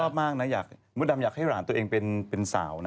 ชอบมากนะมดดำอยากให้หลานตัวเองเป็นสาวนะ